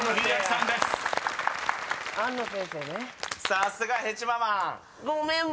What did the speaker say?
さすがへちまマン。